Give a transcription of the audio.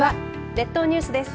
列島ニュースです。